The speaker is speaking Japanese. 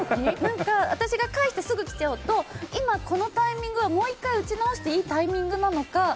私が返してすぐ来ちゃうと今、このタイミングはもう１回打ち直していいタイミングなのか。